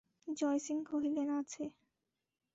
জয়সিংহ কহিলেন, আছে।